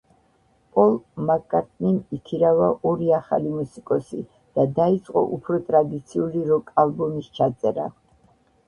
პოლ მაკ-კარტნიმ იქირავა ორი ახალი მუსიკოსი და დაიწყო უფრო ტრადიციული როკ-ალბომის ჩაწერა.